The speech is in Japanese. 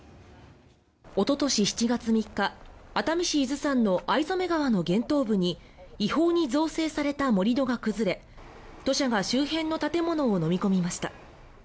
おととし７月３日熱海市伊豆山の逢初川の源頭部に違法に醸成された盛り土が崩れ土砂が周辺の建物をのみ込みました。